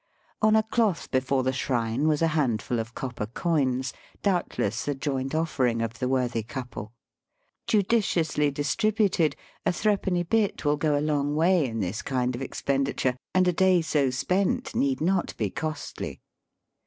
On a cloth before the shrine was a handful of copper coins, doubtless the joint offering of the worthy couple. Judiciously distributed, a threepenny bit will go a long way in this kind of expendi ture, and a day so spent need not be costly.